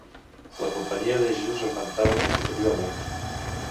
La Companyia de Jesús augmentava quantitativament.